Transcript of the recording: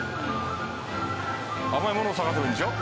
甘いものを探せばいいんでしょ？